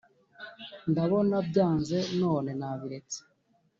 Ndabona byanze none nabiretse